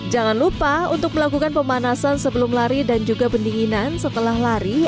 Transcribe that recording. jangan lupa untuk melakukan pemanasan sebelum lari dan juga pendinginan setelah lari